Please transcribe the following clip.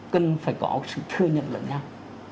cần phải có sự thừa nhận lẫn nhau